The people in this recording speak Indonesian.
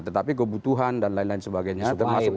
tetapi kebutuhan dan lain lain sebagainya termasuk